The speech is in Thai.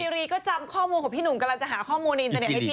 รีก็จำข้อมูลของพี่หนุ่มกำลังจะหาข้อมูลอินเทอร์เน็ตให้พี่